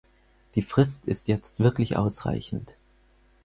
Die Frist ist jetzt wirklich ausreichend.